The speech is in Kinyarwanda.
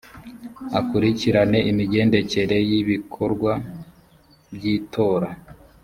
akurikirane imigendekere y ibikorwa by itora